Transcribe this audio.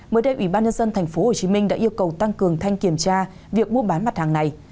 mới đây ủy ban nhân dân tp hcm đã yêu cầu tăng cường thanh kiểm tra việc mua bán mặt hàng này